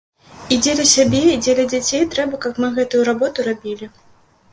І дзеля сябе і дзеля дзяцей трэба, каб мы гэтую работу рабілі.